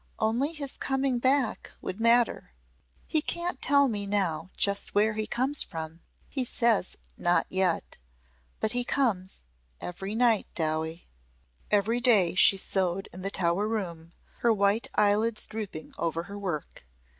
Only his coming back would matter. He can't tell me now just where he comes from. He says 'Not yet.' But he comes. Every night, Dowie." Every day she sewed in the Tower room, her white eyelids drooping over her work.